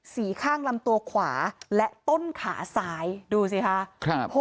ข้างลำตัวขวาและต้นขาซ้ายดูสิคะ